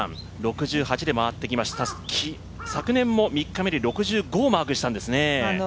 ６８で回ってきました、昨年も３日目で６５をマークしたんですね。